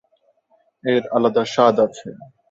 এর আলাদা স্বাদ আছে।